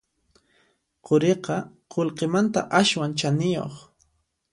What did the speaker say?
Quriqa qullqimanta aswan chaniyuq